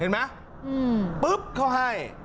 มึงปึ๊บเขาให้